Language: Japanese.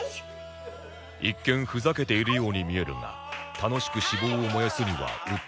一見ふざけているように見えるが楽しく脂肪を燃やすにはうってつけ